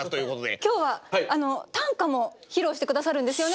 今日は短歌も披露して下さるんですよね。